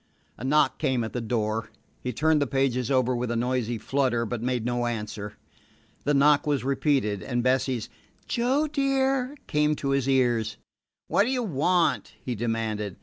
A knock came at the door. He turned the pages over with a noisy flutter, but made no answer. The knock was repeated, and Bessie's "Joe, dear" came to his ears. "What do you want?" he demanded.